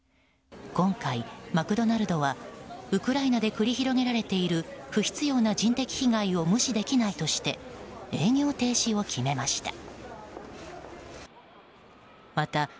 今回、マクドナルドはウクライナで繰り広げられている不必要な人的被害を無視できないとして営業停止を決めました。